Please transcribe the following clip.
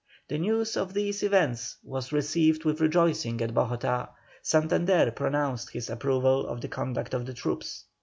The news of these events was received with rejoicing at Bogotá; Santander pronounced his approval of the conduct of the troops.